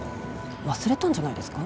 忘れたんじゃないですか？